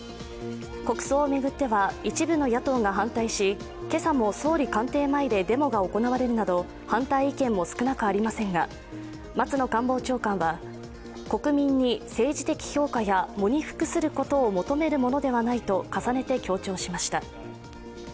国葬を巡っては一部の野党が反対し今朝も総理官邸前でデモが行われるなど反対意見も少なくありませんが、松野官房長官は、国民に政治的評価や喪に服することを求めるものではないと重ねて強調しました。